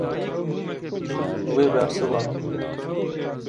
Wê bersivand.